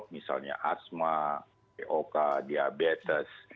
misalnya asma cok diabetes